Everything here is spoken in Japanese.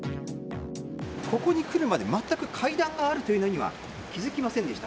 ここに来るまで全く階段があることに気づきませんでした。